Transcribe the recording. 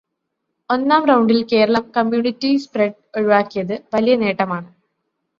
ഒന്നാം റൗണ്ടിൽ Keralam community spread ഒഴിവാക്കിയത് വലിയ നേട്ടമാണ്.